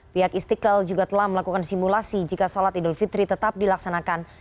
pihak istiqlal juga telah melakukan simulasi jika sholat idul fitri tetap dilaksanakan